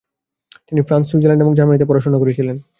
তিনি France, Switzerland এবং জার্মানিতে পড়াশোনা করেছিলেন।